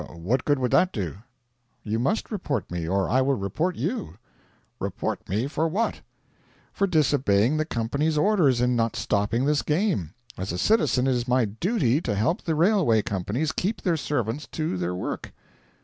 What good would that do?' 'You must report me, or I will report you.' 'Report me for what?' 'For disobeying the company's orders in not stopping this game. As a citizen it is my duty to help the railway companies keep their servants to their work.'